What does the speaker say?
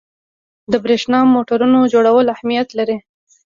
د برېښنايي موټورونو جوړول اهمیت لري.